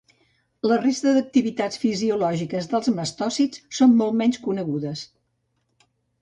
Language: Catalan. La resta d'activitats fisiològiques dels mastòcits són molt menys conegudes.